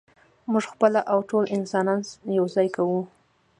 موږ خپله او ټول انسانان یو ځای کوو.